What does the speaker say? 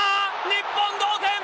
日本、同点！